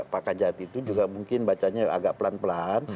pak kajati itu juga mungkin bacanya agak pelan pelan